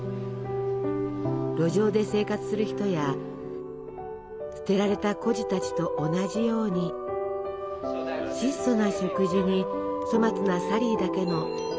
路上で生活する人や捨てられた孤児たちと同じように質素な食事に粗末なサリーだけのつつましやかな生活。